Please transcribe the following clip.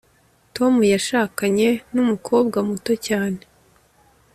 Tom yashakanye numukobwa muto cyane